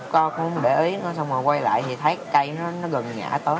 con không để ý nó xong rồi quay lại thì thấy cây nó gần